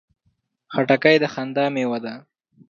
خټکی د خندا مېوه ده.